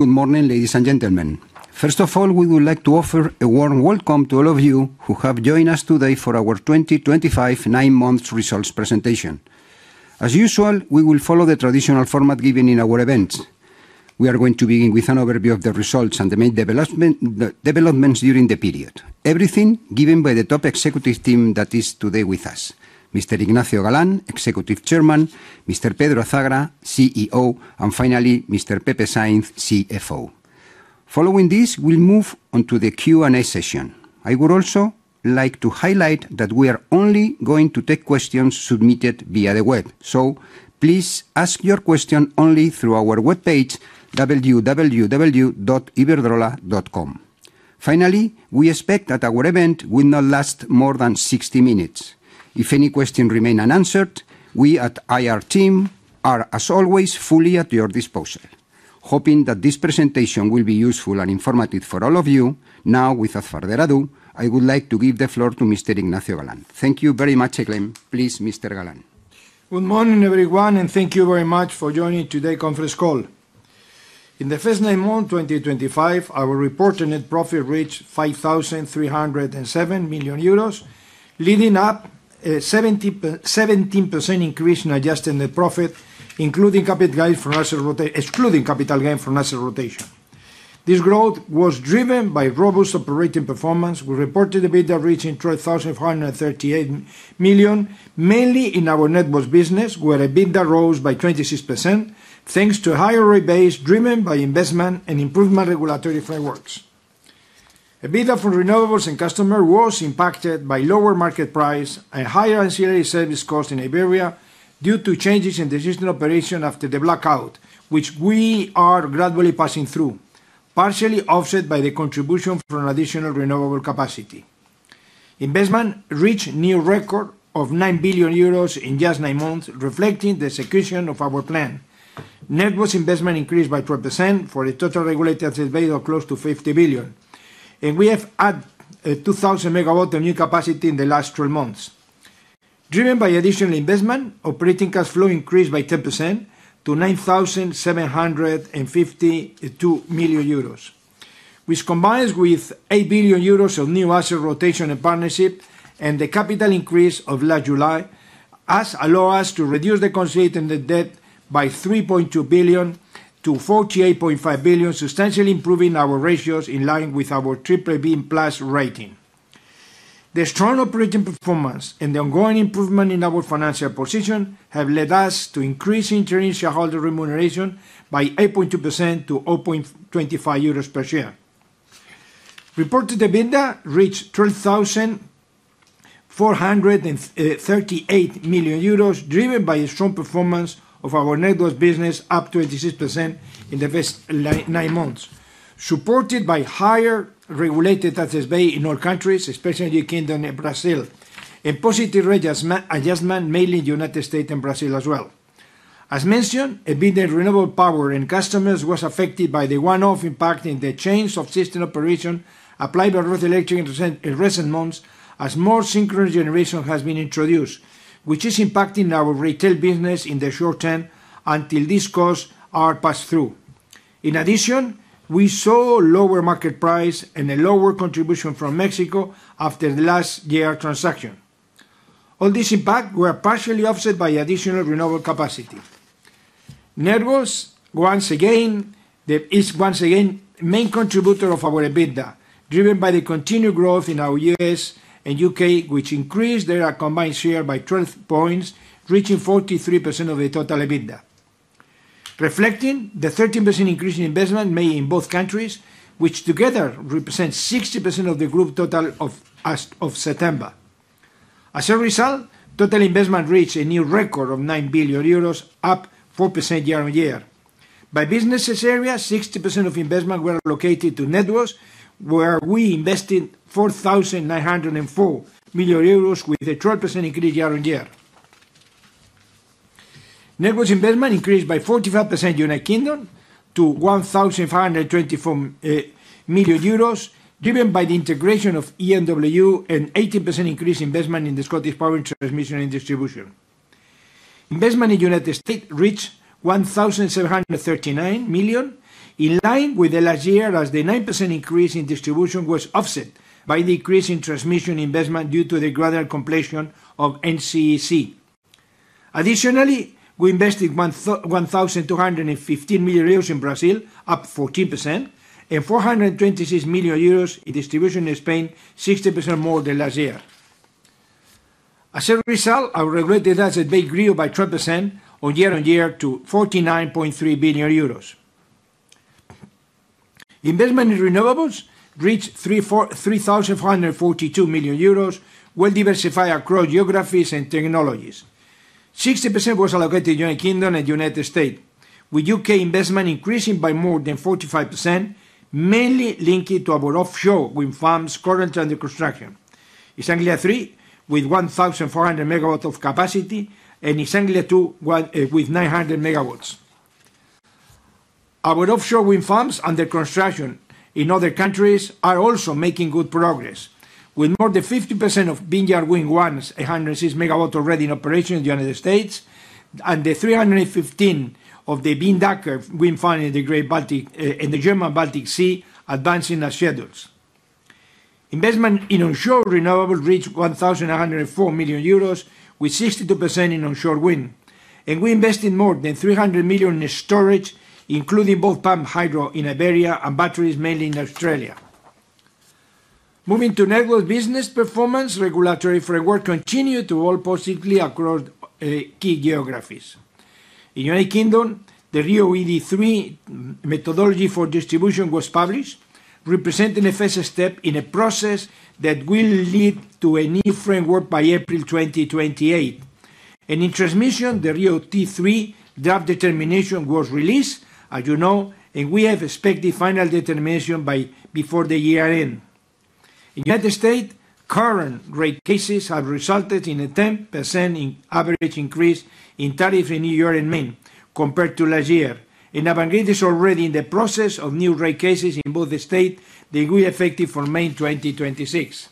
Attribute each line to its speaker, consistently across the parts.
Speaker 1: Good morning, ladies and gentlemen. First of all, we would like to offer a warm welcome to all of you who have joined us today for our 2025 nine-month results presentation. As usual, we will follow the traditional format given in our events. We are going to begin with an overview of the results and the main developments during the period. Everything given by the top executive team that is today with us: Mr. José Ignacio Sánchez Galán, Executive Chairman; Mr. Pedro Azagra, CEO; and finally, Mr. José Sainz Armada, CFO. Following this, we'll move on to the Q&A session. I would also like to highlight that we are only going to take questions submitted via the web. Please ask your question only through our webpage, www.iberdrola.com. Finally, we expect that our event will not last more than 60 minutes. If any questions remain unanswered, we at IR team are, as always, fully at your disposal. Hoping that this presentation will be useful and informative for all of you. Now, without further ado, I would like to give the floor to Mr. Galán. Thank you very much, again. Please, Mr. Galán.
Speaker 2: Good morning, everyone, and thank you very much for joining today's conference call. In the first nine months of 2025, our reported net profit reached 5.307 billion euros, leading up to a 17% increase in adjusted net profit, including capital gains from asset rotation. Excluding capital gains from asset rotation, this growth was driven by robust operating performance. We reported EBITDA reaching 3.538 billion, mainly in our network business, where EBITDA rose by 26% thanks to a higher rate base driven by investment and improved regulatory frameworks. EBITDA for renewables and customers was impacted by lower market price and higher ancillary service costs in Iberia due to changes in the system operation after the blackout, which we are gradually passing through, partially offset by the contribution from additional renewable capacity. Investment reached a new record of 9 billion euros in just nine months, reflecting the execution of our plan. Network investment increased by 12% for a total regulated asset value of close to 50 billion. We have added 2,000 MW of new capacity in the last 12 months. Driven by additional investment, operating cash flow increased by 10% to EUR 9.752 billion, which combines with 8 billion euros of new asset rotation and partnership and the capital increase of last July, allowing us to reduce the constraint in the debt by 3.2 billion to 48.5 billion, substantially improving our ratios in line with our BBB+ rating. The strong operating performance and the ongoing improvement in our financial position have led us to increase interim shareholder remuneration by 8.2% to 0.25 euros per share. Reported EBITDA reached 12.438 billion euros, driven by a strong performance of our network business, up 26% in the first nine months, supported by higher regulated asset value in all countries, especially the United Kingdom and Brazil, and positive rate adjustment, mainly in the United States and Brazil as well. As mentioned, EBITDA in renewable power and customers was affected by the one-off impact in the changes of system operation applied by Rutherford Electric in recent months, as more synchronous generation has been introduced, which is impacting our retail business in the short term until these costs are passed through. In addition, we saw a lower market price and a lower contribution from Mexico after the last year transaction. All these impacts were partially offset by additional renewable capacity. Networks is once again the main contributor of our EBITDA, driven by the continued growth in our U.S. and U.K., which increased their combined share by 12 points, reaching 43% of the total EBITDA, reflecting the 13% increase in investment made in both countries, which together represents 60% of the group total as of September. As a result, total investment reached a new record of 9 billion euros, up 4% year on year. By business scenario, 60% of investments were allocated to networks, where we invested 4.904 billion euros, with a 12% increase year on year. Networks investment increased by 45% in the United Kingdom to 1.524 billion euros, driven by the integration of ENW and an 18% increase in investment in the ScottishPower Transmission and Distribution. Investment in the United States reached 1.739 billion, in line with last year, as the 9% increase in distribution was offset by the increase in transmission investment due to the gradual completion of NECEC. Additionally, we invested 1.215 billion euros in Brazil, up 14%, and 426 million euros in distribution in Spain, 60% more than last year. As a result, our regulated asset base grew by 12% year on year to 49.3 billion euros. Investment in renewables reached 3.442 billion euros, well-diversified across geographies and technologies. 60% was allocated to the United Kingdom and the United States, with U.K. investment increasing by more than 45%, mainly linked to our offshore wind farms currently under construction. in East Anglia THREE, with 1,400 MW of capacity, and in East Anglia TWO with 900 MW. Our offshore wind farms under construction in other countries are also making good progress, with more than 50% of Vineyard Wind 1's 806 MW already in operation in the United States, and the 315 MW of the Baltic Eagle wind farm in the German Baltic Sea advancing as scheduled. Investment in onshore renewables reached 1.104 billion euros, with 62% in onshore wind. We invested more than 300 million in storage, including both pumped hydro in Iberia and batteries, mainly in Australia. Moving to networks business performance, regulatory frameworks continued to evolve positively across key geographies. In the United Kingdom, the RIIO-ED3 methodology for distribution was published, representing the first step in a process that will lead to a new framework by April 2028. In transmission, the RIIO-T3 draft determination was released, as you know, and we have expected final determination before the year end. In the United States, current rate cases have resulted in a 10% average increase in tariffs in New York and Maine compared to last year. Avangrid is already in the process of new rate cases in both states that will be effective for May 2026.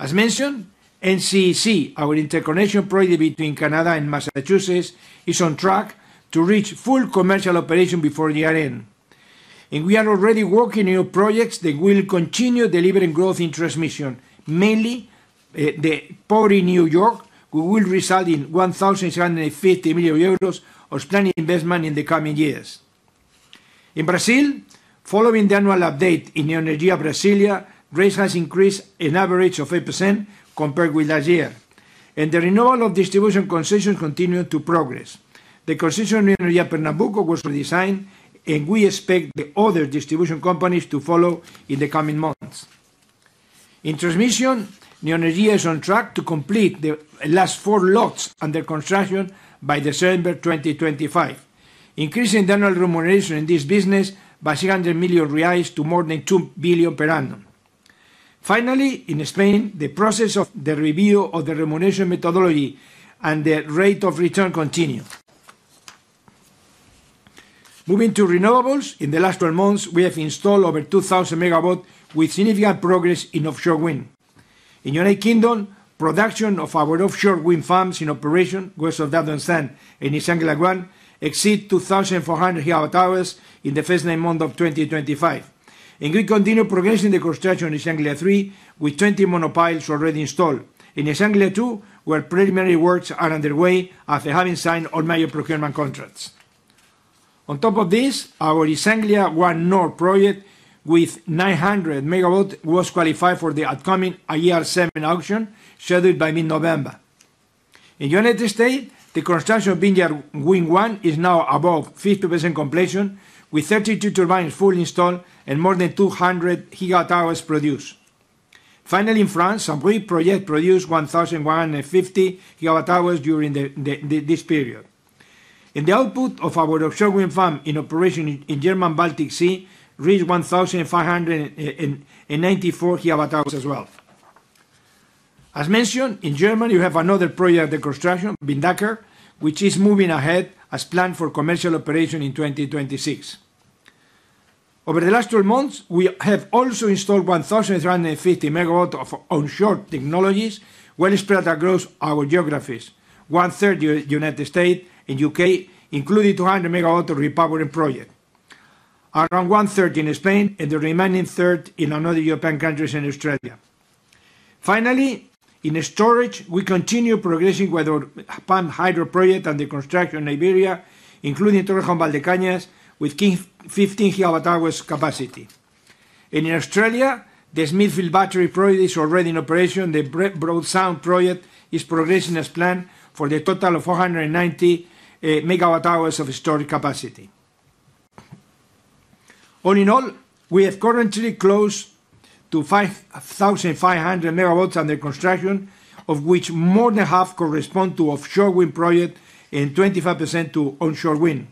Speaker 2: As mentioned, NECEC, our interconnection project between Canada and Massachusetts, is on track to reach full commercial operation before the year end. We are already working on new projects that will continue delivering growth in transmission, mainly the port in New York, which will result in 1.750 billion euros of investment in the coming years. In Brazil, following the annual update in Neoenergia Brasilia, rates have increased an average of 8% compared with last year. The renewal of distribution concessions continues to progress. The concession in Neoenergia Pernambuco was redesigned, and we expect the other distribution companies to follow in the coming months. In transmission, Neoenergia is on track to complete the last four lots under construction by December 2025, increasing the annual remuneration in this business by 600 million reais to more than 2 billion per annum. Finally, in Spain, the process of the review of the remuneration methodology and the rate of return continues. Moving to renewables, in the last 12 months, we have installed over 2,000 MW with significant progress in offshore wind. In the United Kingdom, production of our offshore wind farms in operation west of Duddon Sands and in East Anglia ONE exceeds 2,400 GWh in the first nine months of 2025. We continue progressing the construction in East Anglia THREE with 20 monopiles already installed, and in East Anglia TWO, where preliminary works are underway after having signed all major procurement contracts. On top of this, our East Anglia ONE North project with 900 MW was qualified for the upcoming AR7 auction scheduled by mid-November. In the United States, the construction of Vineyard Wind 1 is now above 50% completion, with 32 turbines fully installed and more than 200 gigawatt-hours produced. Finally, in France, a Brieuc project produced 1,150 GWh during this period. The output of our offshore wind farm in operation in the German Baltic Sea reached 1,594 GWh as well. As mentioned, in Germany, we have another project under construction, Baltic Eagle, which is moving ahead as planned for commercial operation in 2026. Over the last 12 months, we have also installed 1,350 MW of onshore technologies well spread across our geographies, one-third in the United States and United Kingdom, including 200 MW of repowering projects, around one-third in Spain, and the remaining third in other European countries and Australia. Finally, in storage, we continue progressing with our pump hydro project under construction in Iberia, including Torrejón Valdecañas, with 15 GWh capacity. In Australia, the Smithfield Battery project is already in operation. The Broadsound project is progressing as planned for the total of 490 MWh of storage capacity. All in all, we have currently close to 5,500 MW under construction, of which more than half correspond to offshore wind projects and 25% to onshore wind.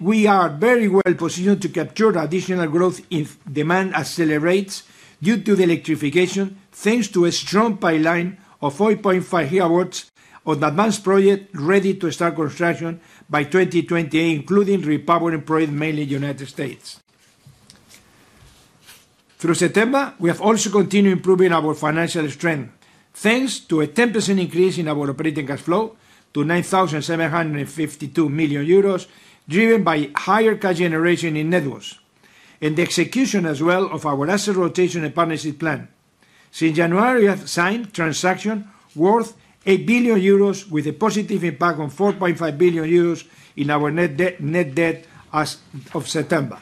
Speaker 2: We are very well positioned to capture additional growth if demand accelerates due to the electrification, thanks to a strong pipeline of 4.5 GW of advanced projects ready to start construction by 2028, including repowering projects mainly in the United States. Through September, we have also continued improving our financial strength, thanks to a 10% increase in our operating cash flow to 9.752 billion euros, driven by higher cash generation in net worth and the execution as well of our asset rotation and partnership plan. Since January, we have signed a transaction worth 8 billion euros, with a positive impact of 4.5 billion euros in our net debt as of September.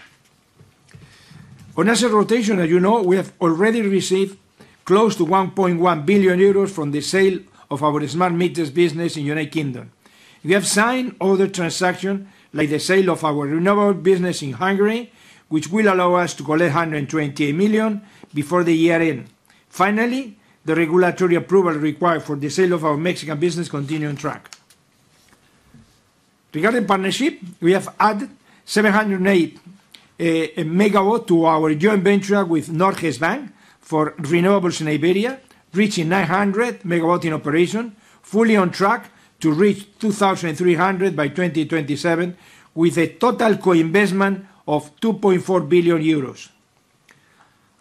Speaker 2: On asset rotation, as you know, we have already received close to 1.1 billion euros from the sale of our smart meters business in the United Kingdom. We have signed other transactions, like the sale of our renewable business in Hungary, which will allow us to collect 128 million before the year end. The regulatory approval required for the sale of our Mexican business continues on track. Regarding partnership, we have added 708 MW to our joint venture with Norges Bank for renewables in Iberia, reaching 900 MW in operation, fully on track to reach 2,300 MW by 2027, with a total co-investment of 2.4 billion euros.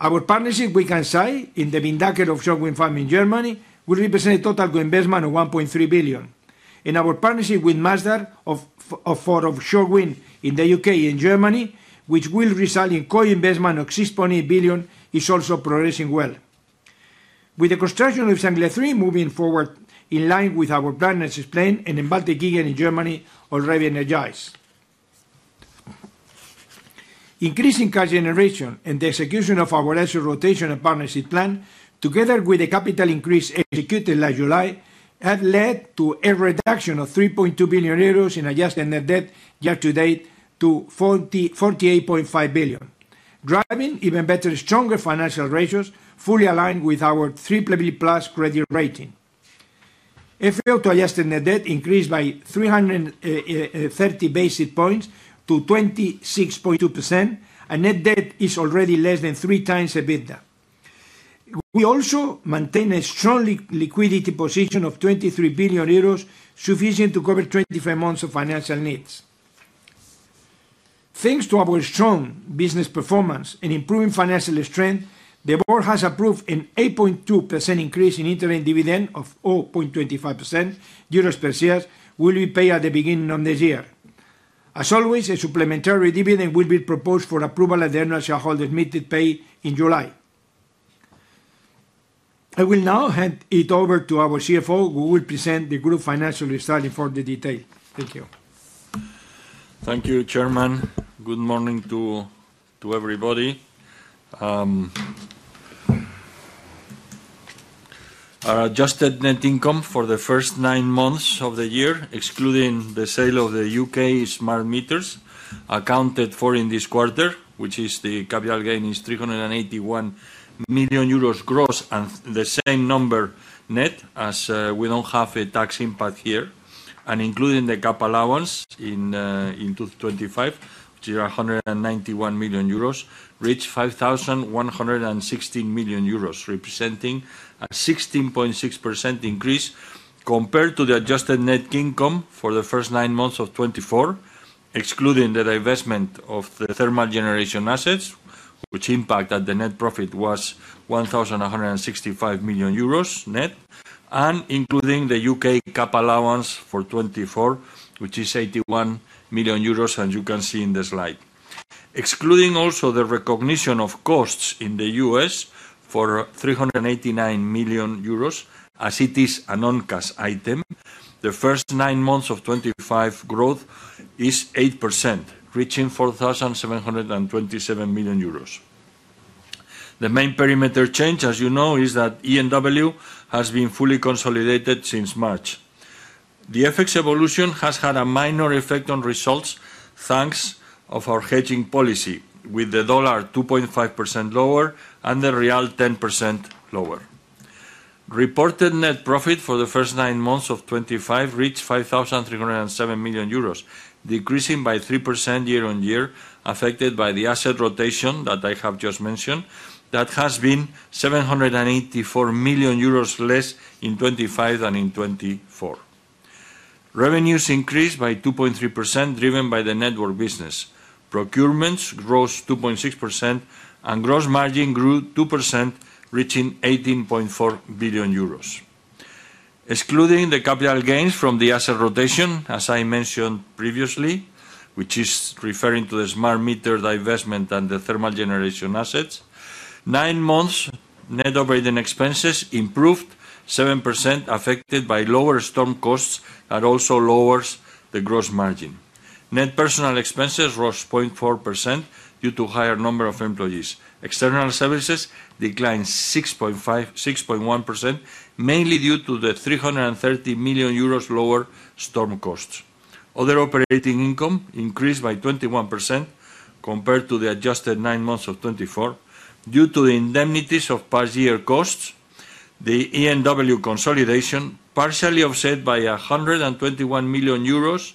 Speaker 2: Our partnership with Kansai in the Baltic Eagle offshore wind farm in Germany will represent a total co-investment of 1.3 billion. Our partnership with Masdar for offshore wind in the United Kingdom and Germany, which will result in co-investment of 6.8 billion, is also progressing well. With the construction of East Anglia THREE moving forward in line with our plan as explained, and the Baltic region in Germany already energized, increasing cash generation and the execution of our asset rotation and partnership plan, together with the capital increase executed last July, have led to a reduction of 3.2 billion euros in adjusted net debt year to date to 48.5 billion, driving even better, stronger financial ratios fully aligned with our BBB+ credit rating. FFO to adjusted net debt increased by 330 basis points to 26.2%, and net debt is already less than three times EBITDA. We also maintain a strong liquidity position of 23 billion euros, sufficient to cover 25 months of financial needs. Thanks to our strong business performance and improving financial strength, the board has approved an 8.2% increase in interim dividend to 0.25 euros per share, which will be paid at the beginning of this year. As always, a supplementary dividend will be proposed for approval at the annual shareholders' meeting to pay in July. I will now hand it over to our CFO, who will present the group financial result in further detail. Thank you.
Speaker 3: Thank you, Chairman. Good morning to everybody. Our adjusted net income for the first nine months of the year, excluding the sale of the U.K. smart meters, accounted for in this quarter, which is the capital gain, is 381 million euros gross, and the same number net as we don't have a tax impact here. Including the cap allowance in 2025, which is 191 million euros, reached 5.116 billion euros, representing a 16.6% increase compared to the adjusted net income for the first nine months of 2024, excluding the divestment of the thermal generation assets, which impacted the net profit, was 1.165 billion euros net, and including the U.K. cap allowance for 2024, which is 81 million euros, as you can see in the slide. Excluding also the recognition of costs in the U.S. for 389 million euros, as it is an on-cast item, the first nine months of 2025 growth is 8%, reaching 4.727 billion euros. The main perimeter change, as you know, is that ENW has been fully consolidated since March. The FX evolution has had a minor effect on results thanks to our hedging policy, with the dollar 2.5% lower and the real 10% lower. Reported net profit for the first nine months of 2025 reached 5.307 billion euros, decreasing by 3% year on year, affected by the asset rotation that I have just mentioned, that has been 784 million euros less in 2025 than in 2024. Revenues increased by 2.3%, driven by the network business. Procurements grossed 2.6%, and gross margin grew 2%, reaching 18.4 billion euros. Excluding the capital gains from the asset rotation, as I mentioned previously, which is referring to the smart meter divestment and the thermal generation assets, nine months net operating expenses improved 7%, affected by lower storm costs that also lower the gross margin. Net personnel expenses rose 0.4% due to a higher number of employees. External services declined 6.1%, mainly due to the 330 million euros lower storm costs. Other operating income increased by 21% compared to the adjusted nine months of 2024 due to the indemnities of past year costs, the ENW consolidation partially offset by 121 million euros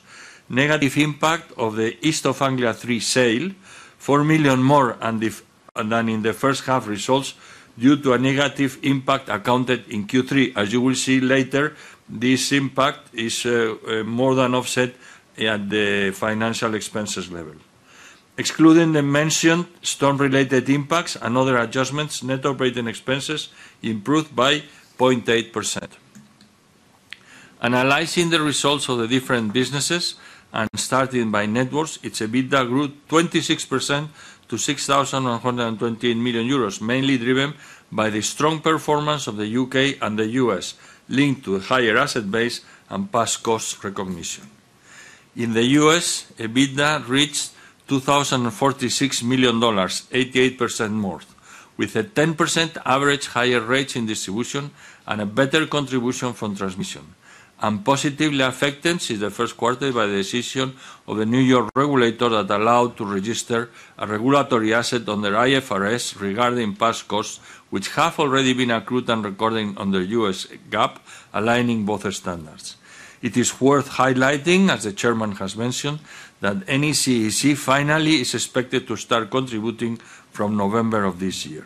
Speaker 3: negative impact of the East Anglia THREE sale, 4 million more than in the first half results due to a negative impact accounted in Q3. As you will see later, this impact is more than offset at the financial expenses level. Excluding the mentioned storm-related impacts and other adjustments, net operating expenses improved by 0.8%. Analyzing the results of the different businesses and starting by networks, its EBITDA grew 26% to 6.128 billion euros, mainly driven by the strong performance of the U.K. and the U.S., linked to a higher asset base and past cost recognition. In the U.S., EBITDA reached $2.046 billion, 88% more, with a 10% average higher rates in distribution and a better contribution from transmission. Positively affected since the first quarter by the decision of the New York regulator that allowed to register a regulatory asset under IFRS regarding past costs, which have already been accrued and recorded under the U.S. GAAP, aligning both standards. It is worth highlighting, as the Chairman has mentioned, that NECEC finally is expected to start contributing from November of this year.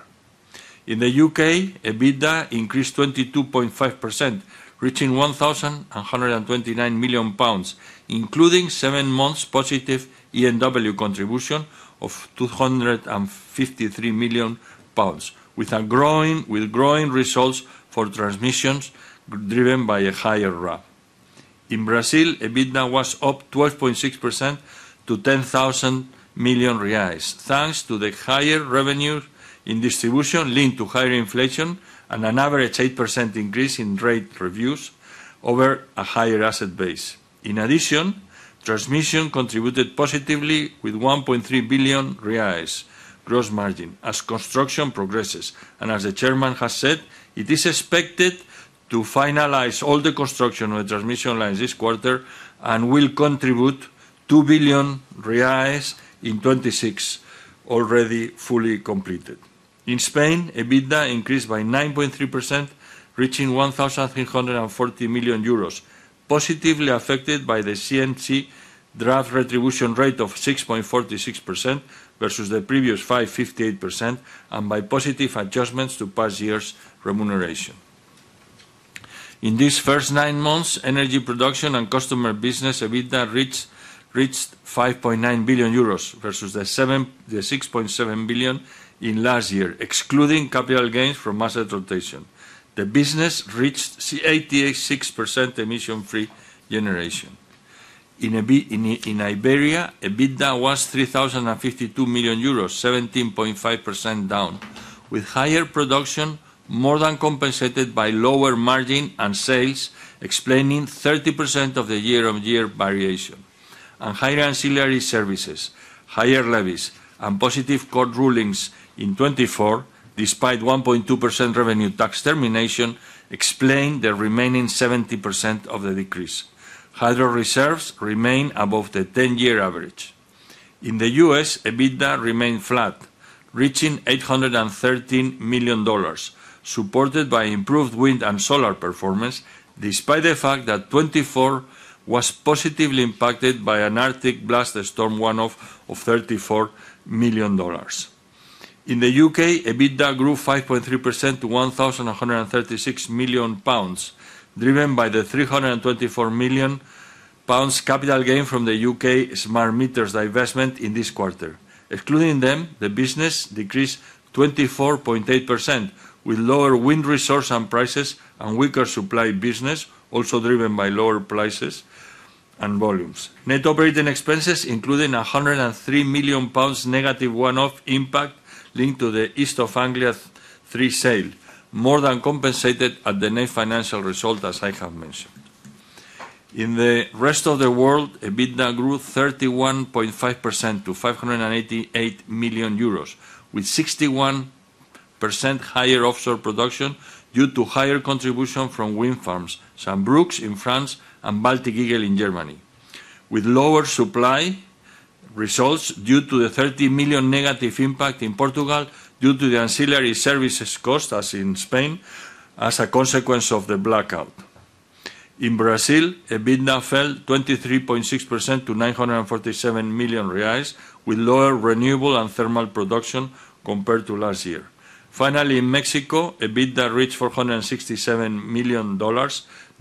Speaker 3: In the U.K., EBITDA increased 22.5%, reaching GBP 1.129 billion, including seven months positive ENW contribution of GBP 253 million, with growing results for transmissions driven by a higher RAB. In Brazil, EBITDA was up 12.6% to BRL 10.000 billion, thanks to the higher revenues in distribution linked to higher inflation and an average 8% increase in rate reviews over a higher asset base. In addition, transmission contributed positively with BRL 1.3 billion gross margin as construction progresses. As the Chairman has said, it is expected to finalize all the construction of the transmission lines this quarter and will contribute BRL 2 billion in 2026, already fully completed. In Spain, EBITDA increased by 9.3%, reaching EUR 1.340 billion, positively affected by the CNC draft retribution rate of 6.46% versus the previous 5.58% and by and volumes. Net operating expenses included a 103 million pounds negative one-off impact linked to the East Anglia THREE sale, more than compensated at the net financial result, as I have mentioned. In the rest of the world, EBITDA grew 31.5% to 588 million euros, with 61% higher offshore production due to higher contribution from wind farms, such as Saint-Brieuc in France and Baltic Eagle in Germany,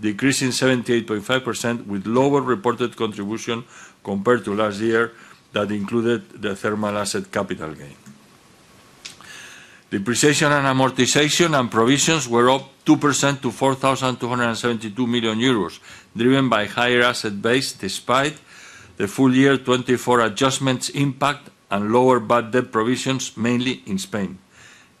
Speaker 3: with lower supply results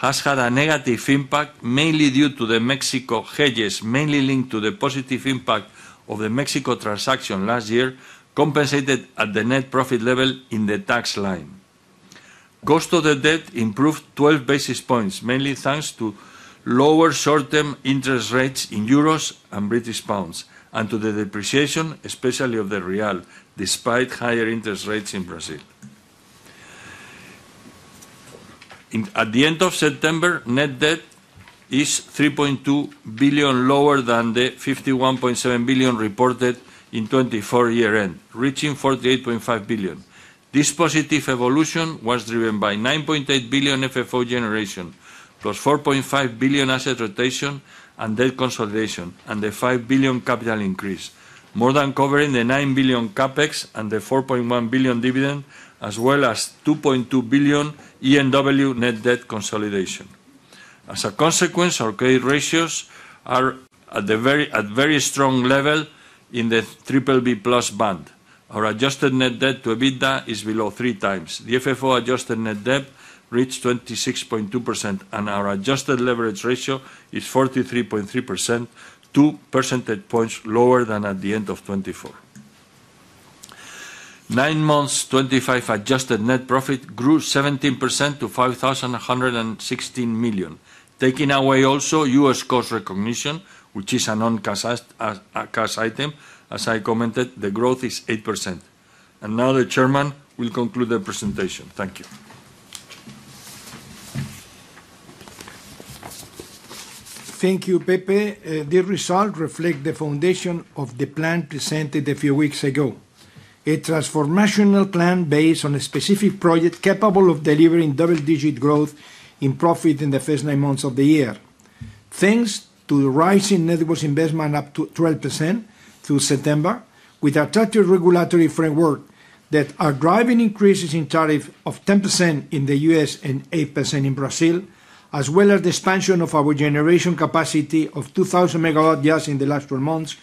Speaker 3: has had a negative impact, mainly due to the Mexico hedges, mainly linked to the positive impact of the Mexico transaction last year, compensated at the net profit level in the tax line. Cost of the debt improved 12 basis points, mainly thanks to lower short-term interest rates in euros and British pounds, and to the depreciation, especially of the real, despite higher interest rates in Brazil. At the end of September, net debt is 3.2 billion lower than the 51.7 billion reported in 2024 year-end, reaching 48.5 billion. This positive evolution was driven by 9.8 billion FFO generation, +4.5 billion asset rotation and debt consolidation, and the 5 billion capital increase, more than covering the 9 billion CapEx and the 4.1 billion dividend, as well as 2.2 billion ENW net debt consolidation. As a consequence, our credit ratios are at a very strong level in the BBB+ band. Our adjusted net debt to EBITDA is below 3x. The FFO adjusted net debt reached 26.2%, and our adjusted leverage ratio is 43.3%, two percentage points lower than at the end of 2024. Nine months, 2025 adjusted net profit grew 17% to 5.116 billion, taking away also U.S. cost recognition, which is an on-cast item. As I commented, the growth is 8%. Now the Chairman will conclude the presentation. Thank you.
Speaker 2: Thank you, Pepe. These results reflect the foundation of the plan presented a few weeks ago, a transformational plan based on a specific project capable of delivering double-digit growth in profit in the first nine months of the year, thanks to the rising net worth investment up to 12% through September, with a tighter regulatory framework that is driving increases in tariffs of 10% in the U.S. and 8% in Brazil, as well as the expansion of our generation capacity of 2,000 MW just in the last 12 months,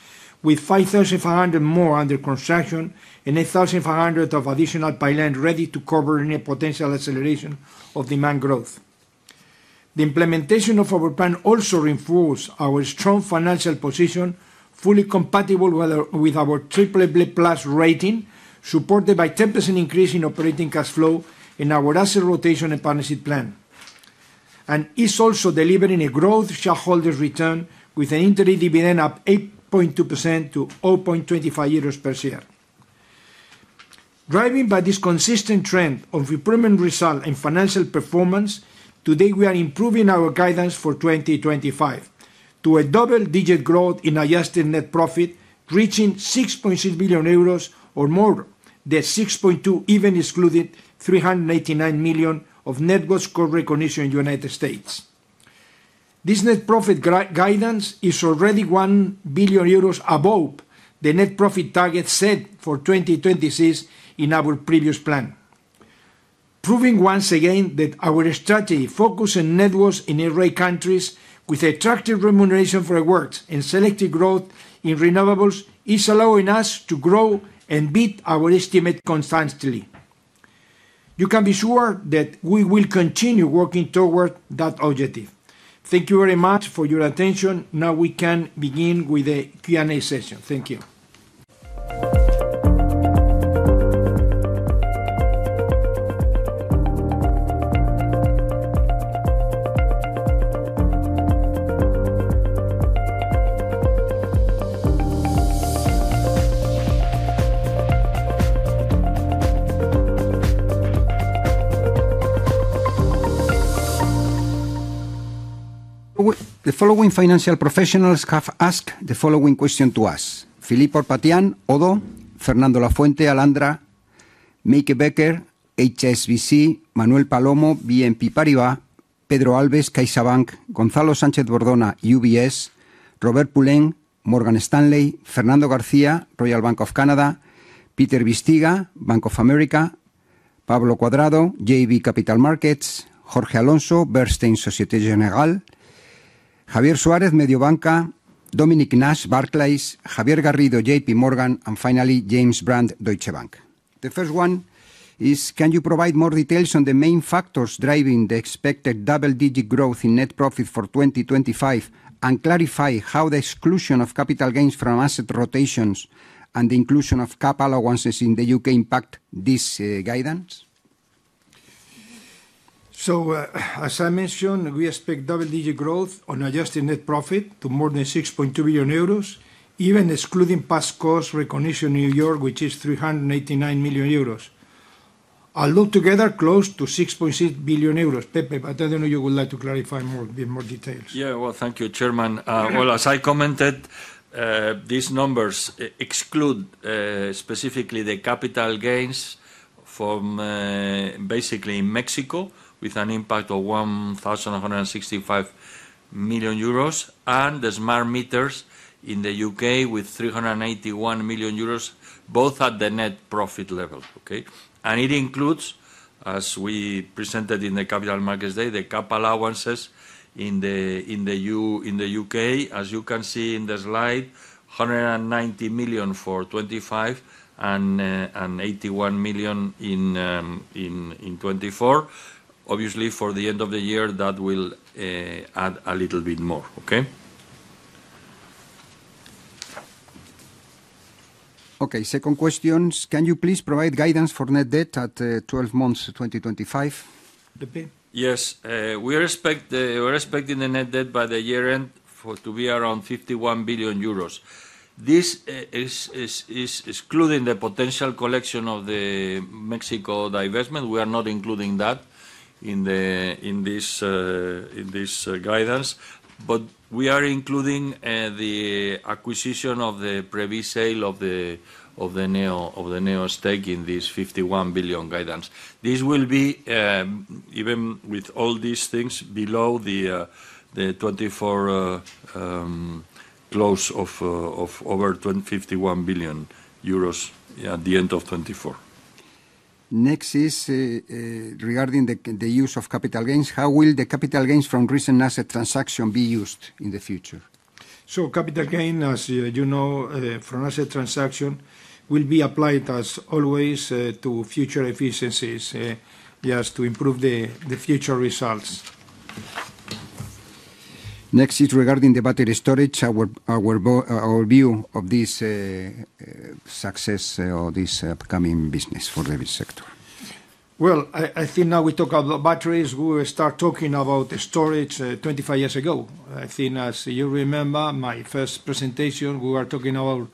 Speaker 2: with 5,500 MW more under construction and 8,500 MW of additional pipelines ready to cover any potential acceleration of demand growth. The implementation of our plan also reinforces our strong financial position, fully compatible with our BBB+ rating, supported by a 10% increase in operating cash flow in our asset rotation and partnership plan, and is also delivering a growth shareholders' return with an interim dividend of 8.2% to 0.25 euros per share. Driven by this consistent trend of improvement results and financial performance, today we are improving our guidance for 2025 to a double-digit growth in adjusted net profit, reaching 6.6 billion euros or more, the 6.2 billion even excluding 389 million of net worth core recognition in the U.S. This net profit guidance is already 1 billion euros above the net profit target set for 2026 in our previous plan, proving once again that our strategy focused on net worth in every country with attractive remuneration forwards and selective growth in renewables is allowing us to grow and beat our estimate constantly. You can be sure that we will continue working toward that objective. Thank you very much for your attention. Now we can begin with the Q&A session. Thank you. The following financial professionals have asked the following question to us: Philip Ourpatian, ODDO, Fernando Lafuente, Alantra, Meike Becker, HSBC, Manuel Palomo, BNP Paribas, Pedro Alves, CaixaBank, Gonzalo Sánchez-Bordona, UBS, Robert Pulleyn, Morgan Stanley, Fernando García, Royal Bank of Canada, Peter Bisztyga, Bank of America, Pablo Cuadrado, JB Capital Markets, Jorge Alonso, Bernstein Société Générale, Javier Suárez, Mediobanca, Dominic Nash, Barclays, Javier Garrido, JPMorgan, and finally, James Brand, Deutsche Bank. The first one is, can you provide more details on the main factors driving the expected double-digit growth in net profit for 2025 and clarify how the exclusion of capital gains from asset rotations and the inclusion of cap allowances in the U.K. impact this guidance? As I mentioned, we expect double-digit growth on adjusted net profit to more than 6.2 billion euros, even excluding past cost recognition in New York, which is 389 million euros. Altogether, close to 6.6 billion euros. Pepe, I don't know if you would like to clarify more details.
Speaker 3: Thank you, Chairman. As I commented, these numbers exclude specifically the capital gains from basically in Mexico, with an impact of 1.165 billion euros, and the smart meters in the U.K. with 381 million euros, both at the net profit level. It includes, as we presented in the Capital Markets Day, the cap allowances in the U.K. As you can see in the slide, 190 million for 2025 and 81 million in 2024. Obviously, for the end of the year, that will add a little bit more. OK. Second question is, can you please provide guidance for net debt at 12 months 2025? Yes, we are expecting the net debt by the year-end to be around 51 billion euros. This is excluding the potential collection of the Mexico divestment. We are not including that in this guidance, but we are including the acquisition of the pre-built sale of the Neo stake in this 51 billion guidance. This will be, even with all these things, below the 2024 close of over 51 billion euros at the end of 2024. Next is regarding the use of capital gains. How will the capital gains from recent asset transactions be used in the future?
Speaker 2: Capital gain, as you know, from asset transaction will be applied, as always, to future efficiencies, yes, to improve the future results. Next is regarding the battery storage, our view of this success or this upcoming business for the sector. I think now you talk about batteries. We will start talking about storage 25 years ago. I think, as you remember, my first presentation, we were talking about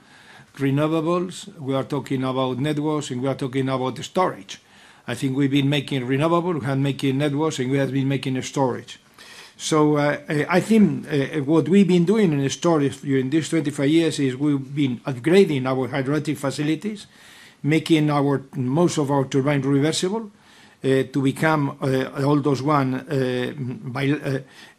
Speaker 2: renewables, we were talking about net worth, and we were talking about storage. I think we've been making renewables, we have been making net worth, and we have been making storage. I think what we've been doing in storage during these 25 years is we've been upgrading our hydroelectric facilities, making most of our turbines reversible to become all those one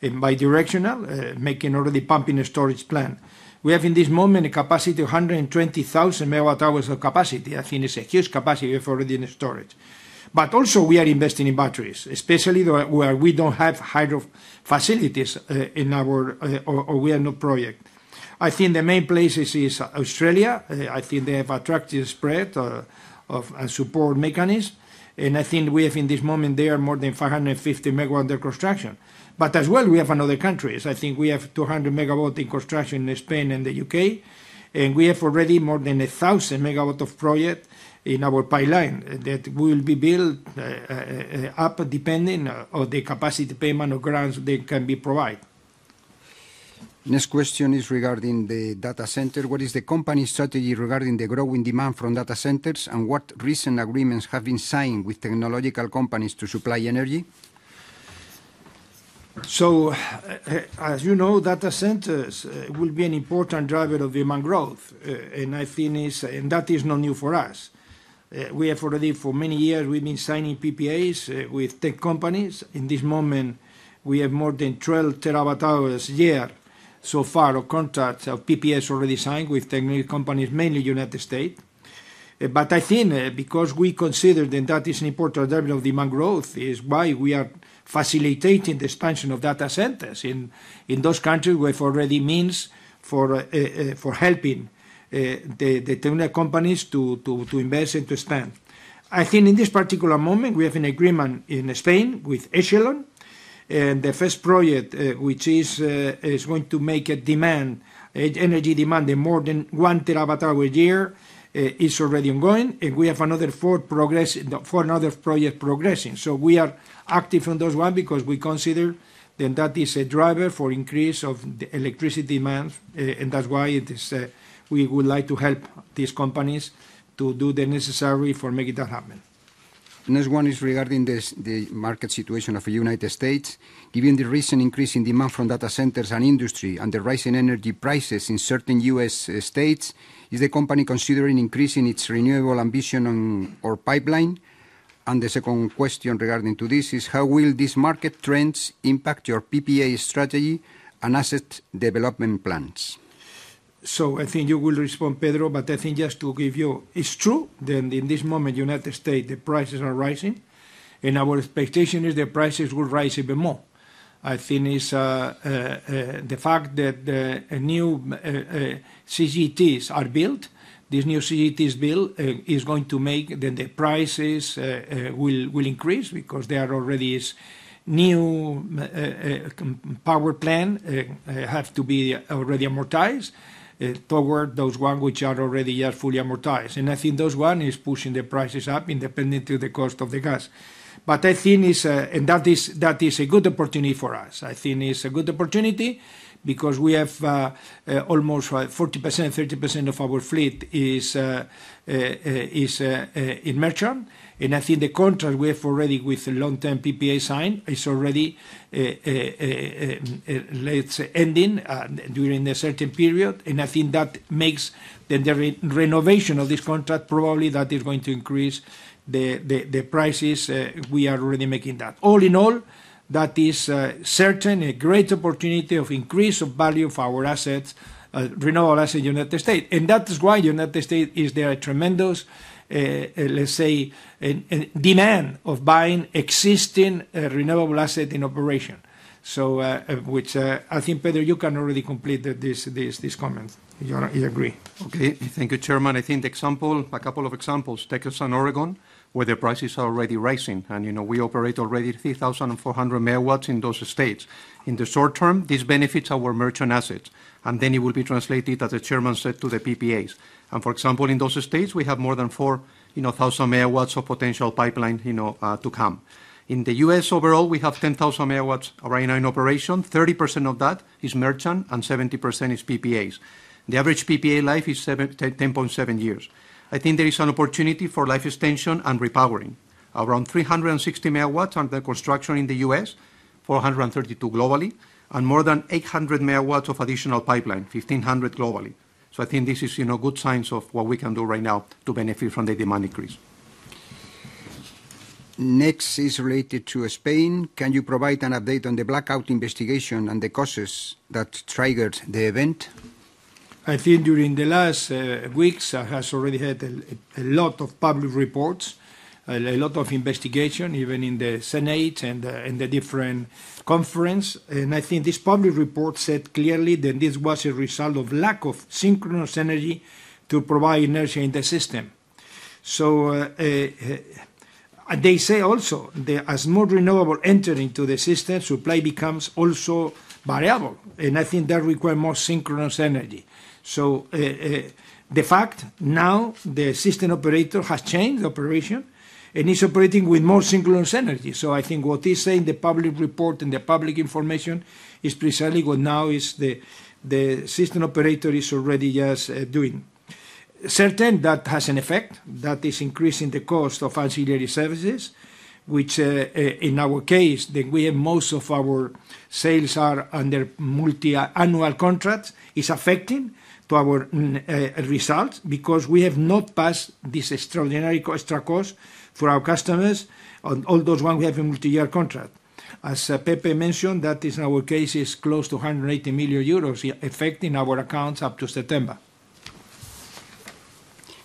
Speaker 2: bi-directional, making already pumping a storage plant. We have, in this moment, a capacity of 120,000 MWh of capacity. I think it's a huge capacity we have already in storage. Also, we are investing in batteries, especially where we don't have hydro facilities in our or we have no project. I think the main places are Australia. They have attracted spread of a support mechanism. I think we have, in this moment, there are more than 550 MW under construction. As well, we have another country. I think we have 200 MW in construction in Spain and the U.K. We have already more than 1,000 MW of projects in our pipeline that will be built up depending on the capacity payment of grants that can be provided. Next question is regarding the data center. What is the company's strategy regarding the growing demand from data centers, and what recent agreements have been signed with technological companies to supply energy? As you know, data centers will be an important driver of demand growth. I think that is not new for us. We have already, for many years, been signing PPAs with tech companies. At this moment, we have more than 12 TWh a year so far of contracts of PPAs already signed with tech companies, mainly in the United States. I think because we consider that is an important driver of demand growth, it is why we are facilitating the expansion of data centers in those countries where it already means for helping the technical companies to invest and to expand. I think in this particular moment, we have an agreement in Spain with Echelon. The first project, which is going to make energy demand in more than 1 terawatt-hour a year, is already ongoing. We have another four projects progressing. We are active on those ones because we consider that is a driver for increase of the electricity demands. That's why we would like to help these companies to do the necessary for making that happen. Next one is regarding the market situation of the United States. Given the recent increase in demand from data centers and industry, and the rising energy prices in certain U.S. states, is the company considering increasing its renewable ambition on our pipeline? The second question regarding this is, how will these market trends impact your PPA strategy and asset development plans? I think you will respond, Pedro, but just to give you, it's true that in this moment, the United States, the prices are rising. Our expectation is the prices will rise even more. The fact that new CCGTs are built, these new CCGTs built is going to make the prices increase because there are already new power plants that have to be already amortized toward those ones which are already fully amortized. I think those ones are pushing the prices up independent of the cost of the gas. I think that is a good opportunity for us. It's a good opportunity because we have almost 40%, 30% of our fleet is in merchant. The contract we have already with a long-term PPA signed is already, let's say, ending during a certain period. I think that makes the renovation of this contract probably that is going to increase the prices we are already making that. All in all, that is certainly a great opportunity of increase of value for our renewable assets in the United States. That is why the United States is there a tremendous, let's say, demand of buying existing renewable assets in operation. I think, Pedro, you can already complete these comments. You agree?
Speaker 4: OK. Thank you, Chairman. I think a couple of examples take us on Oregon, where the prices are already rising. We operate already 3,400 MW in those states. In the short term, this benefits our merchant assets. It will be translated, as the Chairman said, to the PPAs. For example, in those states, we have more than 4,000 MW of potential pipeline to come. In the U.S., overall, we have 10,000 MW right now in operation. 30% of that is merchant and 70% is PPAs. The average PPA life is 10.7 years. I think there is an opportunity for life extension and repowering. Around 360 MW under construction in the U.S., 432 MW globally, and more than 800 MW of additional pipeline, 1,500 MW globally. I think this is good signs of what we can do right now to benefit from the demand increase. Next is related to Spain. Can you provide an update on the blackout investigation and the causes that triggered the event?
Speaker 2: I think during the last weeks, it has already had a lot of public reports, a lot of investigation, even in the Senate and the different conference. I think this public report said clearly that this was a result of lack of synchronous energy to provide inertia in the system. They say also that as more renewables enter into the system, supply becomes also variable. I think that requires more synchronous energy. The fact now the system operator has changed operation and is operating with more synchronous energy. I think what is said in the public report and the public information is precisely what now the system operator is already doing. Certainly, that has an effect that is increasing the cost of ancillary services, which in our case, we have most of our sales under multi-annual contracts, is affecting our results because we have not passed this extra cost for our customers on all those ones we have a multi-year contract. As Pepe mentioned, that in our case is close to 180 million euros affecting our accounts up to September.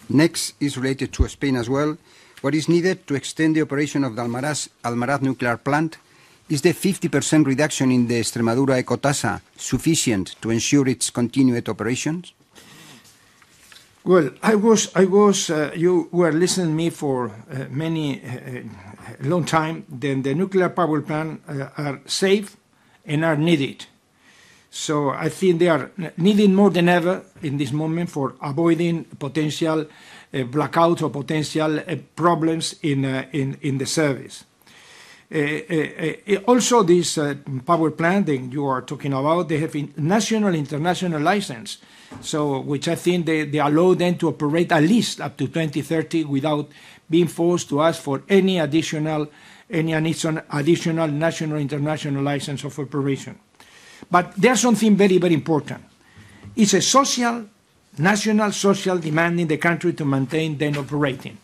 Speaker 2: Next is related to Spain as well. What is needed to extend the operation of the Almaraz nuclear plant? Is the 50% reduction in the Extremadura eco-tasa sufficient to ensure its continued operations? You were listening to me for a long time. The nuclear power plants are safe and are needed. I think they are needed more than ever in this moment for avoiding potential blackouts or potential problems in the service. Also, these power plants that you are talking about, they have a national and international license, which I think allows them to operate at least up to 2030 without being forced to ask for any additional national or international license of operation. There's something very, very important. It's a social, national, social demand in the country to maintain them operating.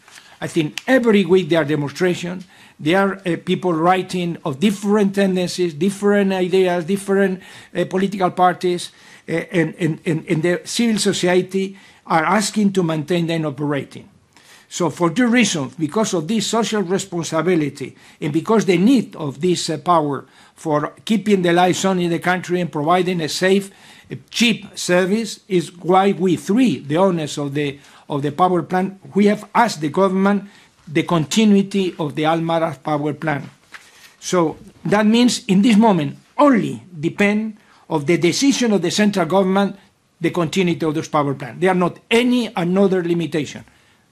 Speaker 2: I think every week there are demonstrations. There are people writing of different tendencies, different ideas, different political parties. The civil society are asking to maintain them operating. For the reasons because of this social responsibility and because the need of this power for keeping the lights on in the country and providing a safe, cheap service is why we three, the owners of the power plant, have asked the government the continuity of the Almaraz power plant. That means in this moment it only depends on the decision of the central government the continuity of those power plants. There are not any other limitations.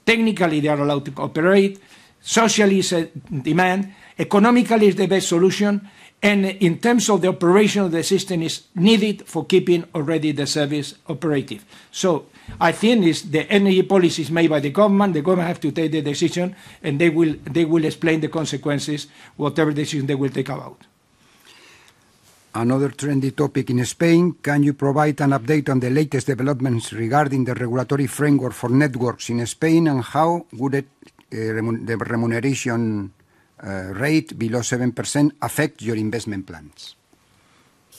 Speaker 2: Technically, they are allowed to operate. Socially, it's a demand. Economically, it's the best solution. In terms of the operation of the system, it's needed for keeping already the service operative. I think the energy policies made by the government, the government has to take the decision. They will explain the consequences, whatever decision they will take about. Another trendy topic in Spain. Can you provide an update on the latest developments regarding the regulatory framework for net worth in Spain, and how would the remuneration rate below 7% affect your investment plans?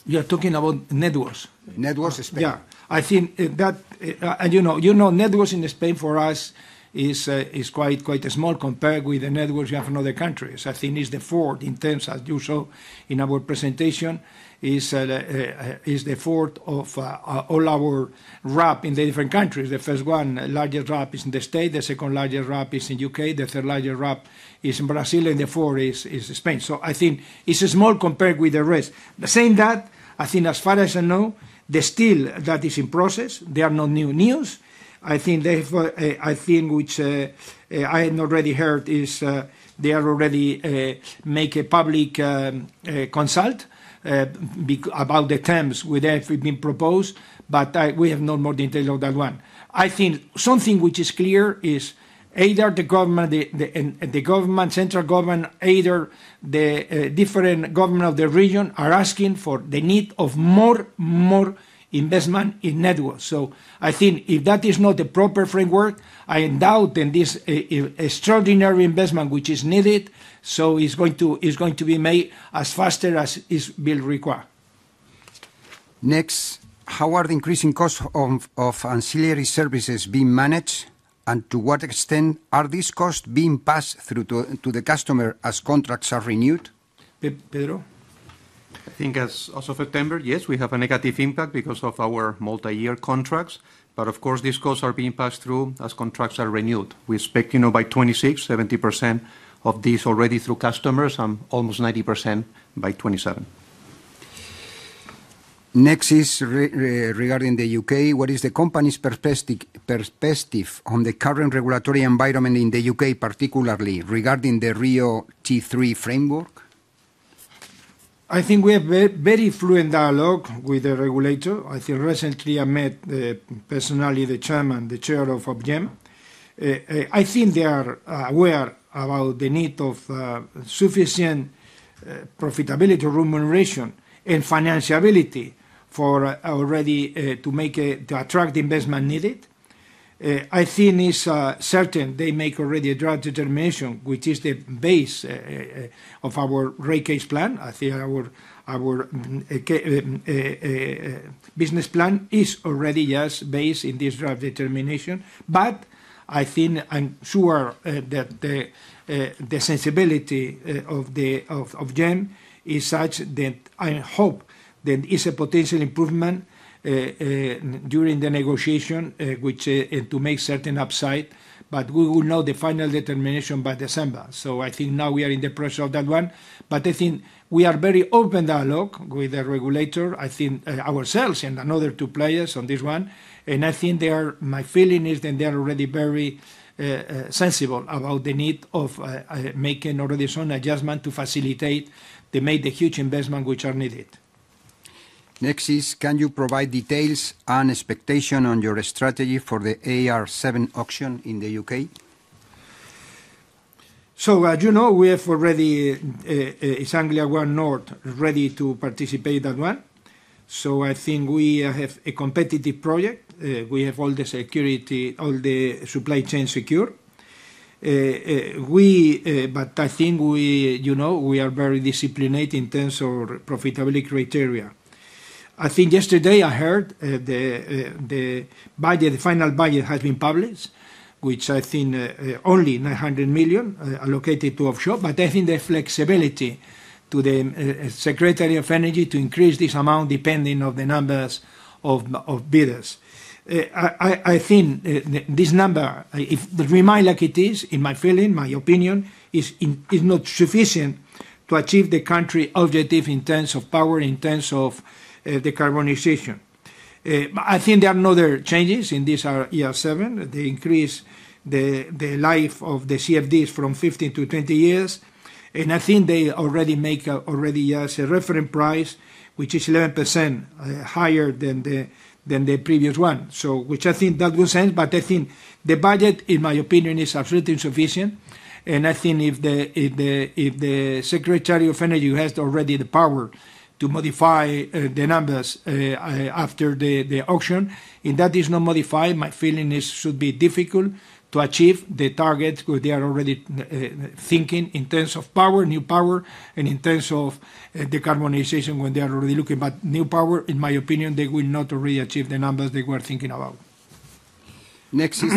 Speaker 2: You are talking about net worth? Net worth, Spain. Yeah. I think that, and you know, net worth in Spain for us is quite small compared with the net worth you have in other countries. I think it's the fourth in terms, as you saw in our presentation, it's the fourth of all our RAP in the different countries. The first one, the largest RAP is in the United States. The second largest RAP is in the United Kingdom. The third largest RAP is in Brazil. The fourth is Spain. I think it's small compared with the rest. Saying that, as far as I know, the still that is in process, they are not new news. What I had already heard is they are already making a public consult about the terms that have been proposed. We have no more details on that one. I think something which is clear is either the government and the central government, either the different governments of the region are asking for the need of more and more investment in net worth. I think if that is not the proper framework, I doubt that this extraordinary investment which is needed is going to be made as fast as it will require. Next, how are the increasing costs of ancillary services being managed? To what extent are these costs being passed through to the customer as contracts are renewed?
Speaker 4: I think as of September, yes, we have a negative impact because of our multi-year contracts. Of course, these costs are being passed through as contracts are renewed. We expect by 2026, 70% of these already through customers and almost 90% by 2027. Next is regarding the U.K. What is the company's perspective on the current regulatory environment in the UK, particularly regarding the RIIO-T3 framework?
Speaker 2: I think we have very fluent dialogue with the regulator. I think recently I met personally the Chair of Ofgem. I think they are aware about the need of sufficient profitability, remuneration, and financiability to attract investment needed. I think it's certain they make already a draft determination, which is the base of our rate case plan. I think our business plan is already based in this draft determination. I'm sure that the sensibility of Ofgem is such that I hope that it's a potential improvement during the negotiation to make certain upside. We will know the final determination by December. I think now we are in the process of that one. I think we are in very open dialogue with the regulator, ourselves and another two players on this one. My feeling is that they are already very sensible about the need of making already some adjustments to facilitate to make the huge investments which are needed. Next is, can you provide details and expectations on your strategy for the AR7 auction in the U.K.? As you know, we have already East Anglia ONE North ready to participate in that one. I think we have a competitive project. We have all the security, all the supply chain secured. I think we are very disciplined in terms of profitability criteria. Yesterday I heard the final budget has been published, which I think only 900 million allocated to offshore. I think there's flexibility for the Secretary of Energy to increase this amount depending on the number of bidders. I think this number, if we might like it, is, in my feeling, my opinion, not sufficient to achieve the country's objective in terms of power, in terms of decarbonization. There are no other changes in this AR7. They increase the life of the CFDs from 15 to 20 years. I think they already make a reference price, which is 11% higher than the previous one, which I think gives sense. The budget, in my opinion, is absolutely insufficient. If the Secretary of Energy has already the power to modify the numbers after the auction, and that is not modified, my feeling is it should be difficult to achieve the targets that they are already thinking in terms of power, new power, and in terms of decarbonization when they are already looking. New power, in my opinion, they will not already achieve the numbers that we are thinking about. Next is,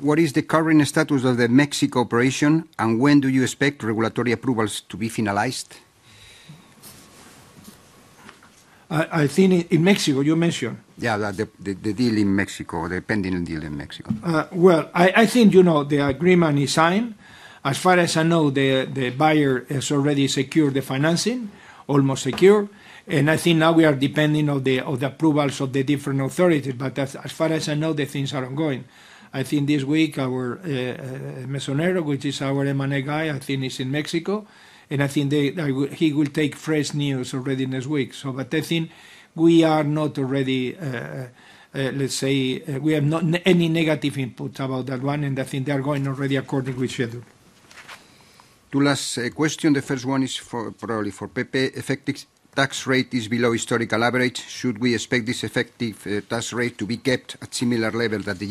Speaker 2: what is the current status of the Mexico operation? When do you expect regulatory approvals to be finalized? I think in Mexico, you mentioned? Yeah, the deal in Mexico, the pending deal in Mexico. I think the agreement is signed. As far as I know, the buyer has already secured the financing, almost secured. I think now we are depending on the approvals of the different authorities. As far as I know, things are ongoing. I think this week our Mesonero, which is our M&A guy, is in Mexico. I think he will take fresh news already next week. I think we have not any negative inputs about that one. I think they are going according with schedule. Two last questions. The first one is probably for Pepe. Effective tax rate is below historical average. Should we expect this effective tax rate to be kept at a similar level at the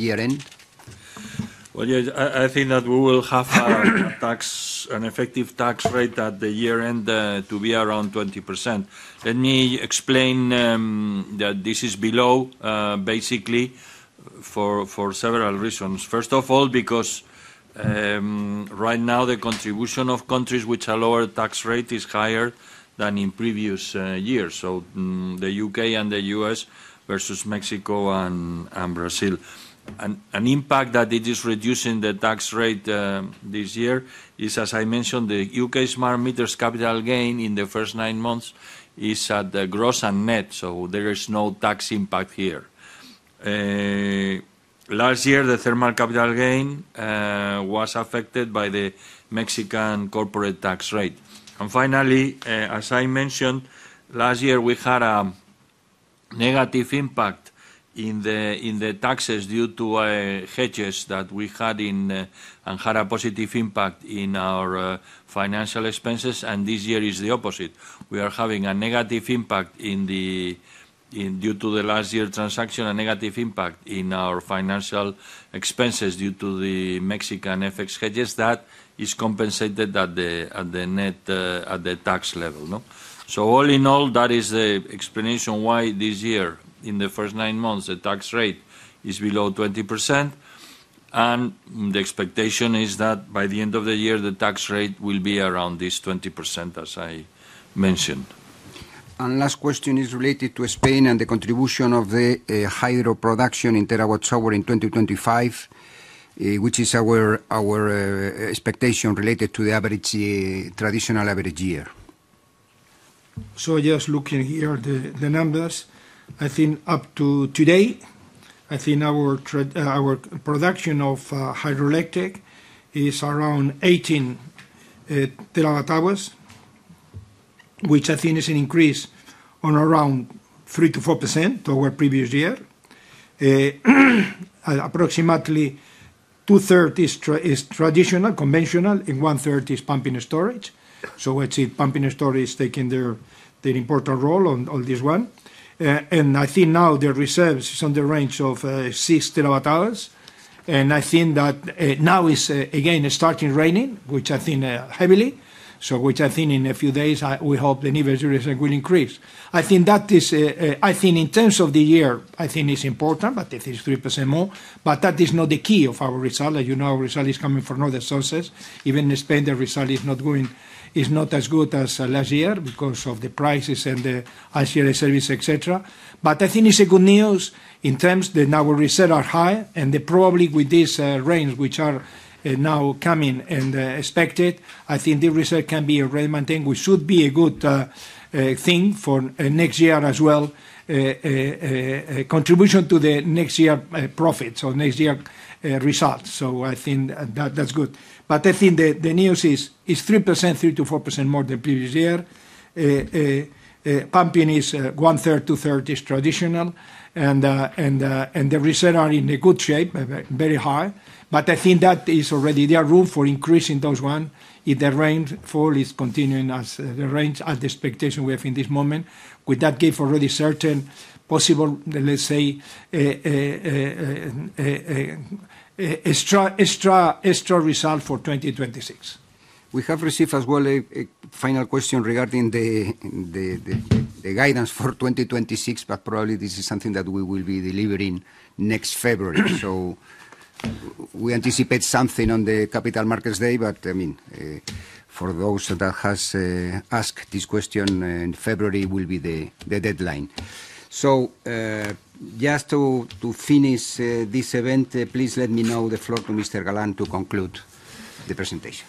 Speaker 2: year-end?
Speaker 3: I think that we will have an effective tax rate at the year-end to be around 20%. Let me explain that this is below, basically, for several reasons. First of all, because right now the contribution of countries which allow a lower tax rate is higher than in previous years. The U.K. and the U.S. versus Mexico and Brazil. An impact that is reducing the tax rate this year is, as I mentioned, the U.K. smart meters capital gain in the first nine months is at the gross and net. There is no tax impact here. Last year, the thermal capital gain was affected by the Mexican corporate tax rate. Finally, as I mentioned, last year we had a negative impact in the taxes due to hedges that we had and had a positive impact in our financial expenses. This year is the opposite. We are having a negative impact due to the last year transaction, a negative impact in our financial expenses due to the Mexican FX hedges that is compensated at the net tax level. All in all, that is the explanation why this year, in the first nine months, the tax rate is below 20%. The expectation is that by the end of the year, the tax rate will be around this 20%, as I mentioned. The last question is related to Spain and the contribution of the hydro production in terawatt hours in 2025, which is our expectation related to the traditional average year.
Speaker 2: Just looking here at the numbers, up to today, our production of hydroelectric is around 18 TWh, which is an increase of around 3%-4% to our previous year. Approximately 2/3 is traditional, conventional, and 1/3 is pumping storage. I'd say pumping storage is taking an important role on this one. Now the reserves are in the range of 6 TWh. It's again starting raining, heavily. In a few days, we hope the need for reserves will increase. In terms of the year, it's important, but it is 3% more. That is not the key of our result. As you know, our result is coming from other sources. Even in Spain, the result is not going as good as last year because of the prices and the ancillary service costs, et cetera. It's good news in terms that our reserves are high. Probably with these rains which are now coming and expected, the reserves can be already maintained, which should be a good thing for next year as well, contribution to the next year profits or next year results. That's good. The news is 3%, 3%-4% more than previous year. Pumping is 1/3, 2/3 is traditional. The reserves are in a good shape, very high. There is already room for increasing those ones if the rainfall is continuing as the rains at the expectation we have in this moment, with that gave already certain possible, let's say, extra results for 2026. We have received as well a final question regarding the guidance for 2026. This is something that we will be delivering next February. We anticipate something on the Capital Markets Day. For those that have asked this question, in February it will be the deadline. Just to finish this event, please let me now give the floor to Mr. Galán to conclude the presentation.